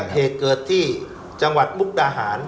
เหตุเกิดที่จังหวัดมุกดาหาร